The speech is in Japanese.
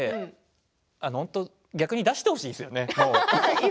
逆に出してほしいですよね